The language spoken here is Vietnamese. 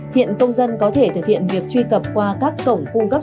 hiện công dân có thể thực hiện việc truy cập qua các cổng cung cấp